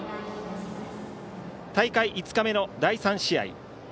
大会５日目の第３試合